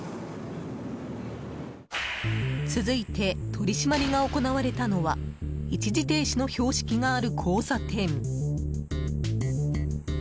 続いて取り締まりが行われたのは一時停止の標識がある交差点。